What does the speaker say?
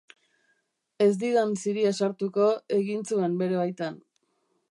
Ez didan ziria sartuko, egin zuen bere baitan.